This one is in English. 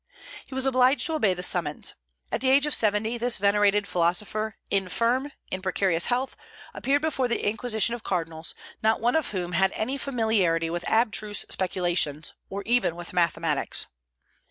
He was obliged to obey the summons. At the age of seventy this venerated philosopher, infirm, in precarious health, appeared before the Inquisition of cardinals, not one of whom had any familiarity with abstruse speculations, or even with mathematics.